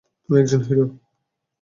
তুমি একজন হিরো।